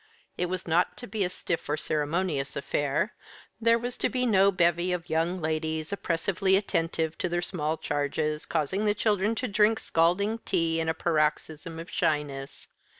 It was not to be a stiff or ceremonious affair. There was to be no bevy of young ladies, oppressively attentive to their small charges, causing the children to drink scalding tea in a paroxysm of shyness.